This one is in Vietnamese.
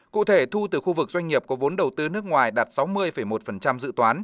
cụ thể thu từ khu vực doanh nghiệp có vốn đầu tư nước ngoài đạt sáu mươi một dự toán